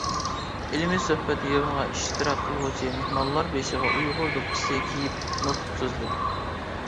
ئىلمى سۆھبەت يىغىنغا ئىشتىراك قىلغۇچى مېھمانلار بېشىغا ئۇيغۇر دوپپىسى كىيىپ نۇتۇق سۆزلىدى.